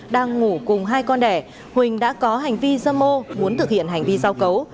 đang ngủ cùng hai con đẻ huỳnh đã có hành vi dâm mô muốn thực hiện hành vi giao cấu